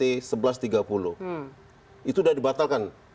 itu sudah dibatalkan